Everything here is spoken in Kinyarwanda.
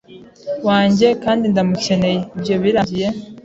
wanjye kandi ndamukeneye, ibyo birangiye